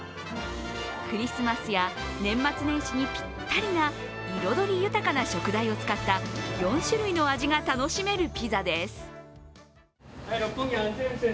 クリスマスや年末年始にぴったりな彩り豊かな食材を使った４種類の味が楽しめるピザです。